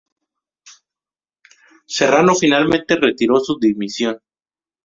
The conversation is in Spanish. Serrano finalmente retiró su dimisión.